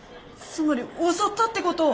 つまり襲ったってこと？